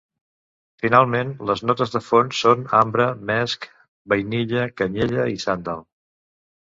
Finalment les notes de fons són ambre, mesc, vainilla, canyella i sàndal.